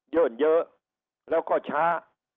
ยื่นเยอะแล้วก็ช้า